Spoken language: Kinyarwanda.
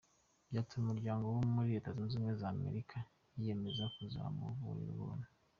Byatumye umuganga wo muri Leta Zunze Ubumwe z’Amerika yiyemeza kuzamuvurira ubuntu.